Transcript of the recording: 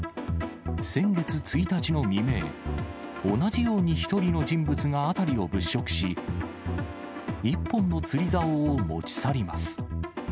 先月１日の未明、同じように１人の人物が辺りを物色し、一本の釣りざおを持ち去ります。